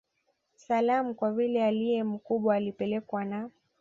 Salaam Kwa vile aliye mkubwa alipelekwa na